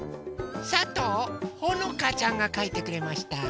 さとうほのかちゃんがかいてくれました。